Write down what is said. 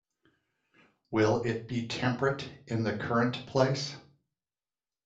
Will it be temperate in the current place?